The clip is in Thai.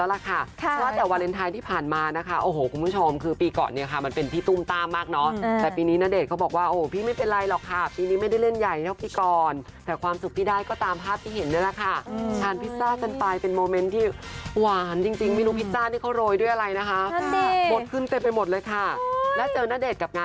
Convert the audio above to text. แล้วเจอณเดชน์กับงานเมื่อวานนะคะแอบล้วงอยู่แล้วค่ะ